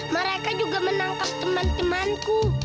mereka juga menangkap teman temanku